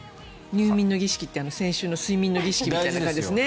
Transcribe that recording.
入眠の儀式って先週の入眠儀式みたいな感じですね。